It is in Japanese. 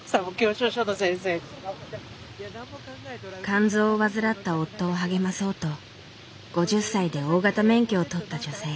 肝臓を患った夫を励まそうと５０歳で大型免許を取った女性。